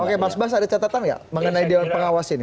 oke mas bas ada catatan ya mengenai dia orang pengawas ini